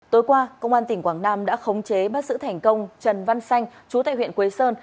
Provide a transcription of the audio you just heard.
tối qua công an tỉnh quảng nam đã khống chế bắt giữ thành công trần văn xanh chú tại huyện quế sơn